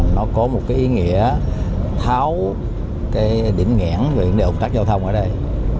nó có một ý nghĩa tháo điểm nghẽn về động tác giao thông ở đây